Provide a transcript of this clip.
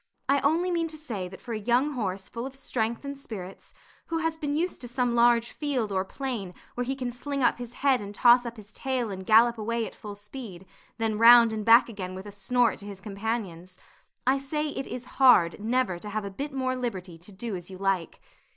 I only mean to say that for a young horse full of strength and spirits, who has been used to some large field or plain where he can fling up his head and toss up his tail and gallop away at full speed, then round and back again with a snort to his companions I say it is hard never to have a bit more liberty to do as you like.